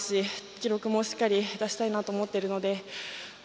記録もしっかり出したいなと思っているので。